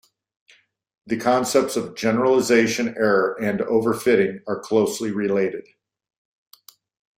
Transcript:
The concepts of generalization error and overfitting are closely related.